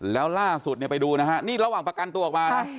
แล้วล่าสุดไปดูนี่ระหว่างประกันตัวออกมา